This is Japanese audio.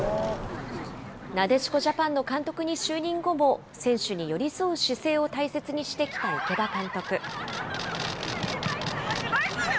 なでしこジャパンの監督に就任後も、選手に寄り添う姿勢を大切にしてきた池田監督。